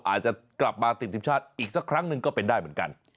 อาจจะกลับมาติดทีมชาติอีกสักครั้งหนึ่งก็เป็นได้เหมือนกัน